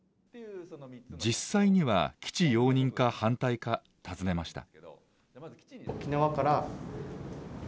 実際には基地容認か反対か、尋ねました。